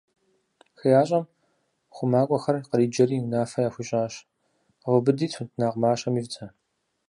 ХеящӀэм хъумакӀуэхэр къриджэри унафэ яхуищӀащ: - Къэвубыди, тутнакъ мащэм ивдзэ!